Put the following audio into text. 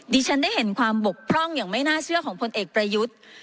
ฉันได้เห็นความบกพร่องอย่างไม่น่าเชื่อของพลเอกประยุทธ์